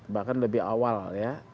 bahkan lebih awal ya